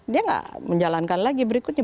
dia nggak menjalankan lagi berikutnya